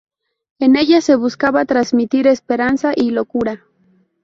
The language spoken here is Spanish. En ella se buscaba transmitir esperanza y locura.